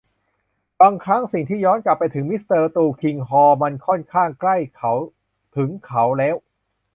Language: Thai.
บางครั้ง สิ่งที่ย้อนกลับไปถึงมิสเตอร์ตุลคิงฮอร์มันค่อนข้างใกล้เขาถึงเขาแล้ว